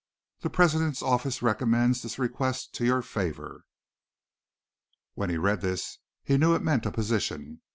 The president's office recommends this request to your favor." When he read this he knew it meant a position.